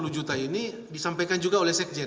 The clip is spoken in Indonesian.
delapan ratus lima puluh juta ini disampaikan juga oleh sekjen